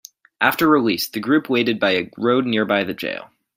After release, the group waited by a road nearby the jail.